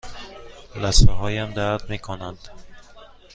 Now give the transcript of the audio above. لثه هایم درد می کنند.